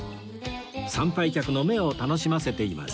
参拝客の目を楽しませています